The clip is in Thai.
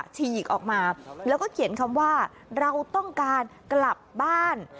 ฉีกออกมาแล้วก็เขียนคำว่าเราต้องการกลับบ้าน